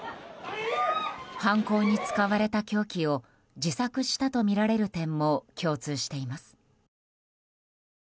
犯行に使われた凶器を自作したとみられる点も共通しています。